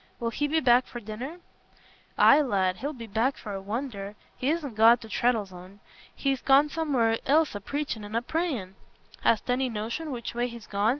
Will he be back to dinner?" "Aye, lad, he'll be back for a wonder. He isna gone to Treddles'on. He's gone somewhere else a preachin' and a prayin'." "Hast any notion which way he's gone?"